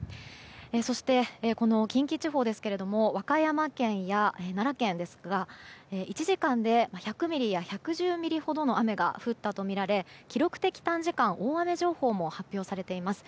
そして近畿地方ですが和歌山県や奈良県ですが１時間で１００ミリや１１０ミリほどの雨が降ったとみられ記録的短時間大雨情報も発表されています。